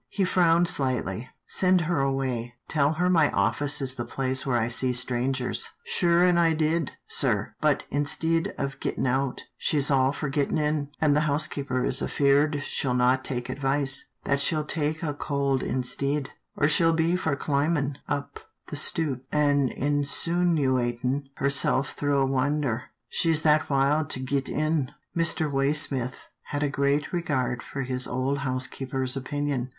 He frowned slightly. " Send her away. Tell her my office is the place where I see strangers." " Sure an' I did, sir ; but, instid of gittin' out, she's all for gittin' in, an' the housekeeper is afeard she'll not take advice, that she'll take a cold instid, or she'll be for climbin' up the stoop an' insinoo atin' herself through a winder, she's that wild to git in." Mr. Waysmith had a great regard for his old housekeeper's opinion.